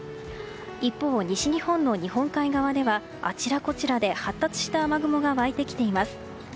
一方、西日本の日本海側ではあちらこちらで発達した雨雲が湧いてきています。